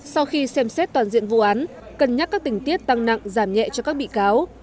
sau khi xem xét toàn diện vụ án cân nhắc các tình tiết tăng nặng giảm nhẹ cho các bị cáo